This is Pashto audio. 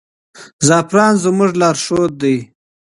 زعفران زموږ لارښود دی.